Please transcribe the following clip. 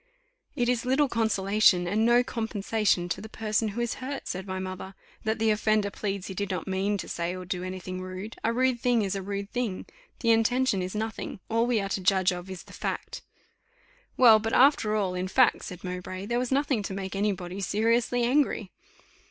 "It is little consolation, and no compensation, to the person who is hurt," said my mother, "that the offender pleads he did not mean to say or do any thing rude: a rude thing is a rude thing the intention is nothing all we are to judge of is the fact." "Well, but after all, in fact," said Mowbray, "there was nothing to make any body seriously angry."